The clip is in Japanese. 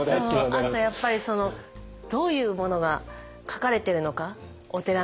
あとやっぱりどういうものが書かれてるのかお寺の鐘に。